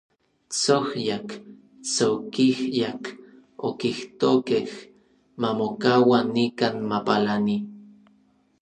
“Tsojyak, tsokijyak”, okijtokej, “mamokaua nikan, mapalani”.